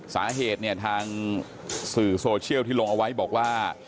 สาเหตุเนี่ยทางสื่อโซเชียลที่ลงเอาไว้บอกว่า